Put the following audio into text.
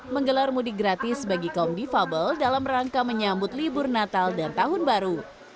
menggelar mudik gratis bagi kaum difabel dalam rangka menyambut libur natal dan tahun baru